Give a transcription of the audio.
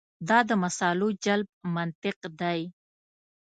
دا د مصالحو جلب منطق دی.